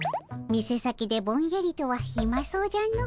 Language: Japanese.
店先でぼんやりとはひまそうじゃの。